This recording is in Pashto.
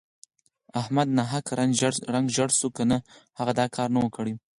احمد ناحقه رنګ ژړی شو که نه هغه دا کار نه وو کړی.